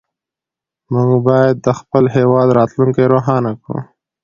موږ باید د خپل هېواد راتلونکې روښانه کړو.